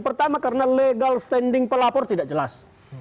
pertama karena legal standing pelapor tidak jelas